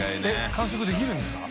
完食できるんですか？